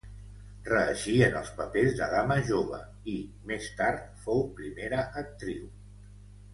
Reeixí en els papers de dama jove i, més tard, fou primera actriu.